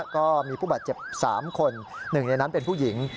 ก็มีผู้บาดเจ็บ๓คนหนึ่งในนั้นเป็นผู้หญิง